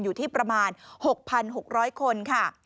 อยู่ที่ประมาณ๖๖๐๐คนค่ะ